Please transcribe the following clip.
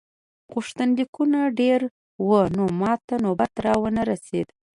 غوښتنلیکونه ډېر وو نو ماته نوبت را ونه رسیده.